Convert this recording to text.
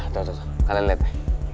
tuh tuh kalah lepe